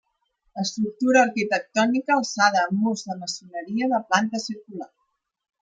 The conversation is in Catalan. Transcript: Estructura arquitectònica alçada amb murs de maçoneria, de planta circular.